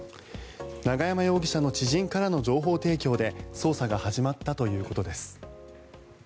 永山容疑者の知人からの情報提供で捜査が始まったということです。